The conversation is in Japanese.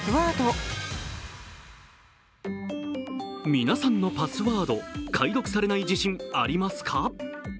皆さんのパスワード、解読されない自信ありますか？